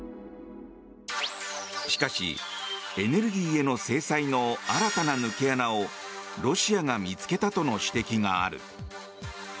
しかし、エネルギーへの制裁の新たな抜け穴をロシアが見つけたとの指摘がある。